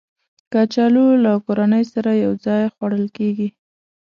کچالو له کورنۍ سره یو ځای خوړل کېږي